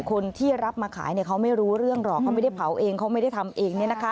คนที่รับมาขายเขาไม่รู้เรื่องหรอกเขาไม่ได้เผาเองเขาไม่ได้ทำเอง